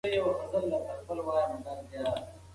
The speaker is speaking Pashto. آیا نارینه تر ښځو ډېر واک لري؟